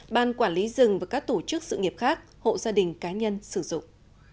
ban quản lý rừng và các tổ chức sự nghiệp khác hộ gia đình cá nhân sử dụng